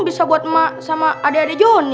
bisa buat emak sama adek adek jonny